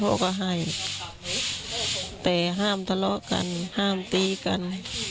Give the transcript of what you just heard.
พ่อก็ให้แต่ห้ามทะเลาะกันห้ามตีกัน